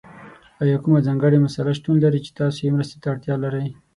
ایا کومه ځانګړې مسله شتون لري چې تاسو یې مرستې ته اړتیا لرئ؟